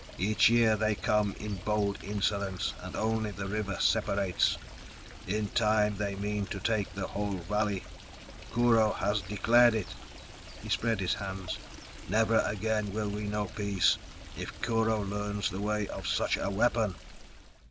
Each year they come in bold insolence, and only the river separates; in time they mean to take the whole valley. Kurho has declared it!" He spread his hands. "Never again will we know peace, if Kurho learns the way of such a weapon!"